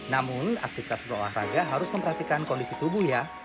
namun aktivitas berolahraga harus memperhatikan kondisi tubuh ya